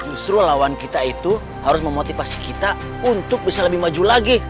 justru lawan kita itu harus memotivasi kita untuk bisa lebih maju lagi